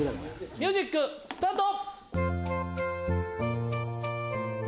ミュージックスタート！